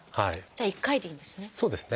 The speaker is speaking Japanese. じゃあ一回でいいんですね。